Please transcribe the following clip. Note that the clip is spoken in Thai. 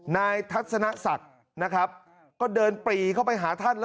นายทัศนะศักดิ์เค้าเดินปลีเข้าไปหาท่าน